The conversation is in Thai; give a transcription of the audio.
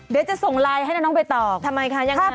เดี๋ยวจะส่งไลน์ให้นะน้องใบตองทำไมคะยังไง